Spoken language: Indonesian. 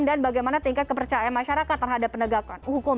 dan bagaimana tingkat kepercayaan masyarakat terhadap penegak hukum